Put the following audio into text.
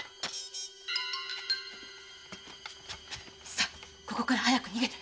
さあここから早く逃げて。